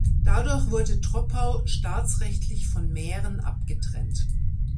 Dadurch wurde Troppau staatsrechtlich von Mähren abgetrennt.